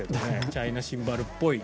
チャイナシンバルっぽい。